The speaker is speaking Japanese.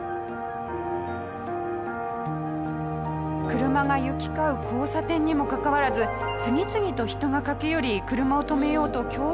車が行き交う交差点にもかかわらず次々と人が駆け寄り車を止めようと協力します。